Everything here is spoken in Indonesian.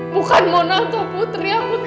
bukan mona atau putri aku tahu